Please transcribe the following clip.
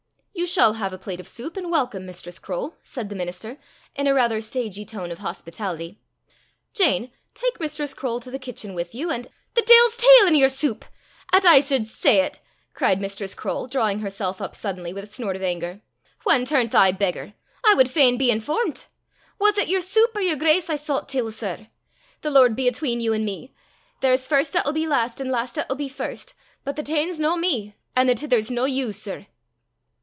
"You shall have a plate of soup, and welcome, Mistress Croale!" said the minister, in a rather stagey tone of hospitality " Jane, take Mistress Croale to the kitchen with you, and " "The deil's tail i' yer soup! 'At I sud say 't!" cried Mistress Croale, drawing herself up suddenly, with a snort of anger: "whan turnt I beggar? I wad fain be informt! Was 't yer soup or yer grace I soucht till, sir? The Lord be atween you an' me! There's first 'at 'll be last, an' last 'at 'll be first. But the tane's no me, an' the tither's no you, sir."